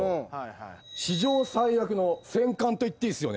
史上最悪の戦艦と言っていいっすよね？